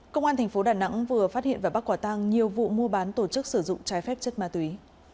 công an thành phố đà nẵng vừa phát hiện và bắt quả tăng nhiều vụ mua bán tổ chức sử dụng trái phép chất ma túy